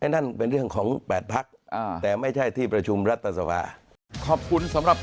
นั่นเป็นเรื่องของ๘พักแต่ไม่ใช่ที่ประชุมรัฐสภา